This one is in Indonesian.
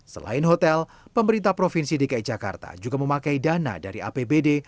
selain hotel pemerintah provinsi dki jakarta juga memakai dana dari apbd